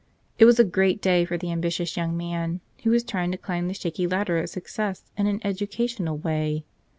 It was a great day for the ambitious young man, who was trying to climb the shaky ladder of success in an edu¬ cational way.